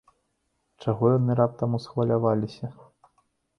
Чаго яны раптам усхваляваліся?